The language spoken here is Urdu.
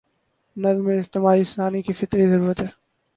نظم اجتماعی انسان کی فطری ضرورت ہے۔